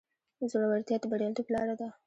زړورتیا د بریالیتوب لاره ده.